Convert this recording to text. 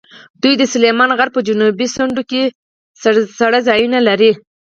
دوی د سلیمان غره په جنوبي څنډو کې څړځایونه لري.